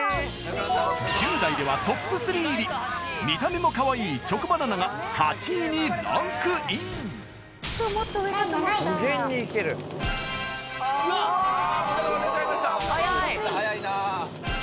１０代ではトップ３入り見た目もかわいいチョコバナナが８位にランクインあポテトが出ちゃいました。